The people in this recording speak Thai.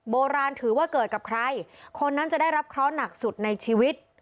โบราณถือว่าเกิดกับใครคนนั้นจะได้รับเคราะห์หนักสุดในชีวิต